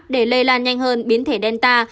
để lây lan nhanh hơn biến thể delta